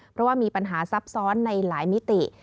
เพราะว่ามีปัญหาซับซ้อนในหลายมิติ